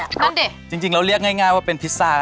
มันดิจริงเราเรียกง่ายว่าเป็นพิซซ่า